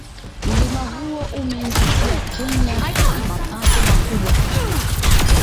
Mlima huo umeiingizia kenya mapato makubwa sana